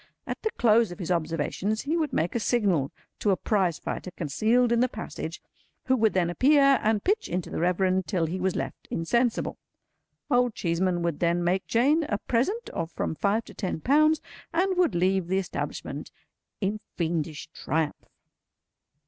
At the close of his observations he would make a signal to a Prizefighter concealed in the passage, who would then appear and pitch into the Reverend, till he was left insensible. Old Cheeseman would then make Jane a present of from five to ten pounds, and would leave the establishment in fiendish triumph.